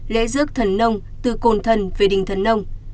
lễ rước thần nông từ cồn thần về đình thần nông